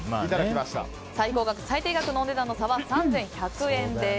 最高額、最低額の差は３１００円です。